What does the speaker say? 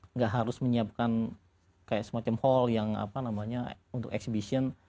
nggak harus menyiapkan kayak semacam hall yang apa namanya untuk exhibition